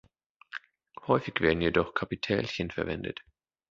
Häufig werden jedoch Kapitälchen verwendet.